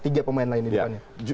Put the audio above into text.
tiga pemain lain di depannya